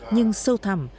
nhưng sâu thẳm